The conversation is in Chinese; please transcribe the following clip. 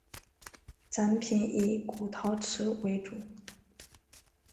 展品以古陶瓷为主。